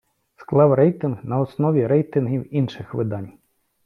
Склав рейтинг на основі рейтингів інших видань.